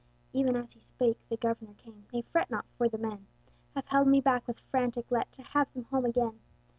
Even as he spake, the Governor came: "Nay, fret not, for the men Have held me back with frantic let, To have them home again.